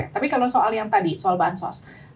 tapi kalau soal yang tadi soal bansos